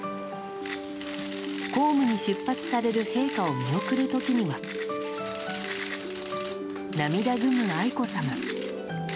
公務に出発される陛下を見送る時には涙ぐむ愛子さま。